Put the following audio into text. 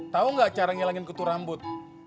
tahu gak cara ngilangin kutu rambut